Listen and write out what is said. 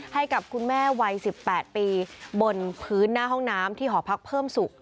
ให้กับคุณแม่วัย๑๘ปีบนพื้นหน้าห้องน้ำที่หอพักเพิ่มศุกร์